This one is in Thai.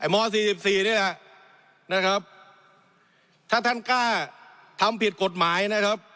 ม๔๔นี่แหละนะครับถ้าท่านกล้าทำผิดกฎหมายนะครับ